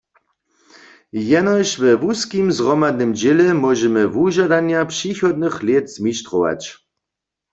Jenož we wuskim zhromadnym dźěle móžemy wužadanja přichodnych lět zmištrować.